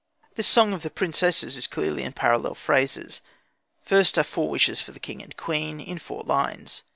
This song of the princesses is clearly in parallel phrases. First are four wishes for the king and queen, in four lines.